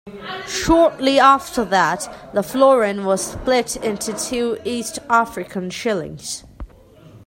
Shortly after that, the florin was split into two East African shillings.